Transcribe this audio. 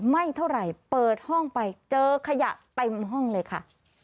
ไม่เท่าไหร่เปิดห้องไปเจอขยะเต็มห้องเลยค่ะ